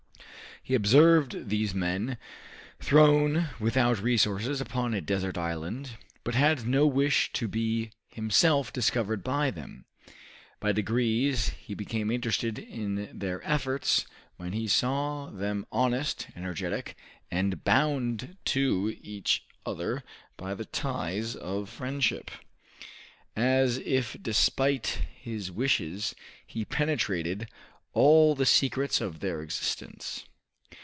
He observed these men thrown without resources upon a desert island, but had no wish to be himself discovered by them. By degrees he became interested in their efforts when he saw them honest, energetic, and bound to each other by the ties of friendship. As if despite his wishes, he penetrated all the secrets of their existence.